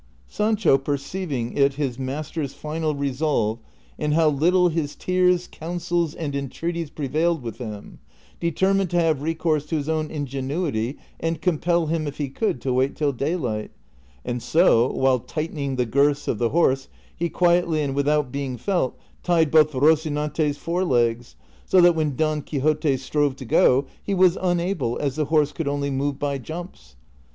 Sancho perceiving it his master's final resolve, and how little his tears, counsels, and entreaties prevailed with him, determined to have recourse to his own ingenuity and compel him if he could to wait till daylight ; and so, while tightening the girths of the horse, he quietly and without being fe]t, tied both liocinante's fore legs, so that when Don Quixote strove to go he was unable as the horse could only move by jumps.